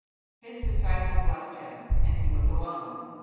His disciples left him, and he was alone.